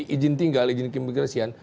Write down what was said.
izin tinggal izin ke imigrasian